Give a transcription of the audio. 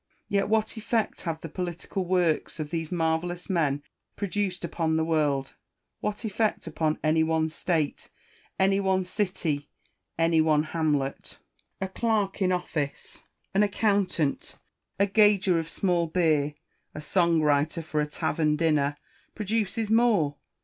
Yet what effect have the political works of these marvellous men produced upon the world ?— what effect upon any one State, any one city, any one hamlet 1 A clerk in ofiicc, an 26o IMA GIN A R Y CON VERSA TIONS. accountant, a ganger of small beer, a song writer for a tavern dinner, produces more.